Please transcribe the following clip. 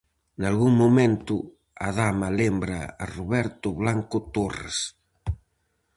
Nalgún momento, a Dama lembra a Roberto Blanco Torres.